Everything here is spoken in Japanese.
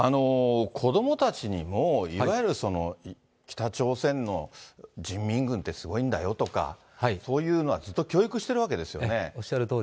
子どもたちにも、いわゆる北朝鮮の人民軍ってすごいんだよとか、そういうのはずっと教育してるわけですよね。